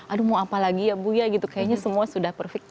aduh mau apa lagi ya buya gitu kayaknya semua sudah perfect